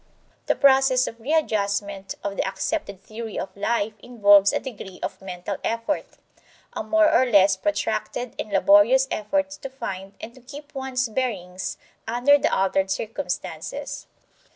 The process of readjustment of the accepted theory of life involves a degree of mental effort a more or less protracted and laborious effort to find and to keep one's bearings under the altered circumstances.